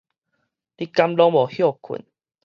你敢攏無歇睏